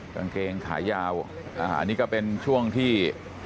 กางเกงขายาวอันนี้ก็เป็นช่วงที่